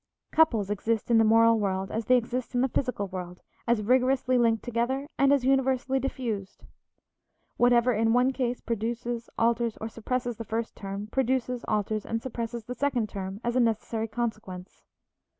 Couples exist in the moral world as they exist in the physical world, as rigorously linked together and as universally diffused. Whatever in one case produces, alters, or suppresses the first term, produces, alters, and suppresses the second term as a necessary consequence.